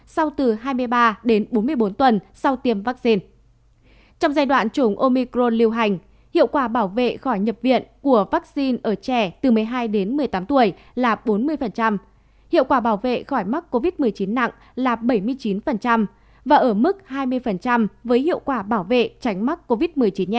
sau khi khỏi covid một mươi chín